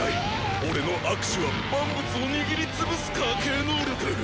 俺の「握首」は万物を握り潰す家系能力！